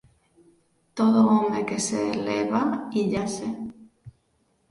Todo home que se eleva íllase.